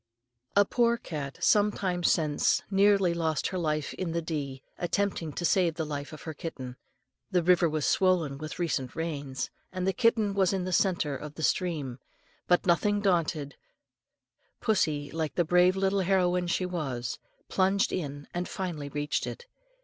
A poor cat some time since nearly lost her life in the Dee, attempting to save the life of her kitten. The river was swollen with recent rains, and the kitten was in the centre of the stream; but, nothing daunted, pussy, like the brave little heroine she was, plunged in, and finally reached it.